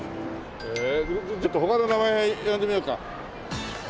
へえちょっと他の名前呼んでみようか。